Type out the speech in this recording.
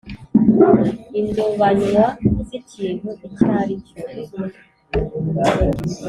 indobanywa z ikintu icyo ari cyo